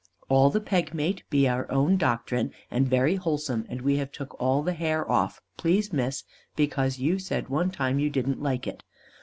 All the pegmate be our own doctrine, and very wholesome, and we have took all the hair off, please Miss, because you said one time you didn't like it.